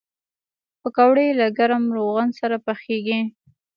پکورې له ګرم روغن سره پخېږي